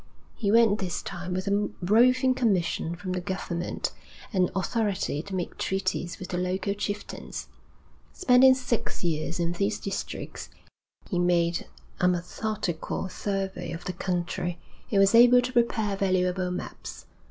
He went this time with a roving commission from the government, and authority to make treaties with the local chieftains. Spending six years in these districts, he made a methodical survey of the country, and was able to prepare valuable maps.